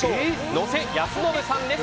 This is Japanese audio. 野瀬泰申さんです。